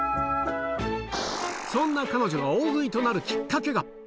そんな彼女が大食いとなるきっかけが。